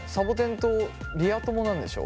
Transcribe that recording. んとリア友なんでしょ？